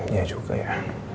ya juga ya